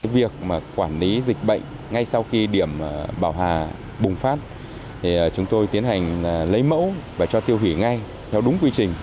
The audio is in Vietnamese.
việc quản lý dịch bệnh ngay sau khi điểm bào hà bùng phát chúng tôi tiến hành lấy mẫu và cho tiêu hủy ngay theo đúng quy trình